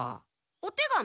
お手紙？